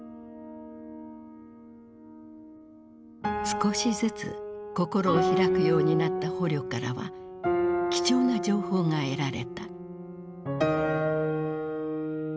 少しずつ心を開くようになった捕虜からは貴重な情報が得られた。